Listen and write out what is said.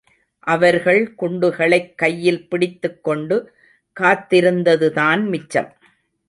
அவர்கள் குண்டுகளைக் கையில் பிடித்துக்கொண்டு காத்திருந்ததுதான் மிச்சம்.